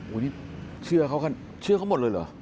โอ้ยนี่เชื่อเขาหมดเลยเหรอ